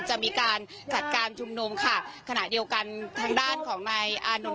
จะมีการจัดการชุมนุมค่ะขณะเดียวกันทางด้านของนายอานนท